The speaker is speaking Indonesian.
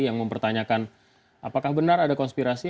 yang mempertanyakan apakah benar ada konspirasi